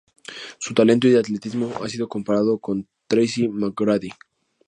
Su talento y atletismo ha sido comparado con Tracy McGrady.